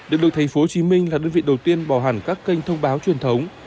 điện lực tp hcm là đơn vị đầu tiên bỏ hẳn các kênh thông báo truyền thống